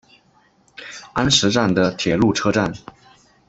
安食站的铁路车站。